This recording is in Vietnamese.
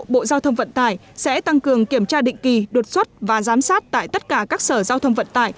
bộ giao thông vận tải sẽ tăng cường kiểm tra định kỳ đột xuất và giám sát tại tất cả các sở giao thông vận tải